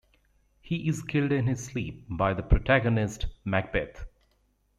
He is killed in his sleep by the protagonist, Macbeth.